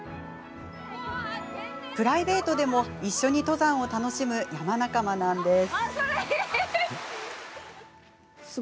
プライベートでも一緒に登山を楽しむ山仲間なんです。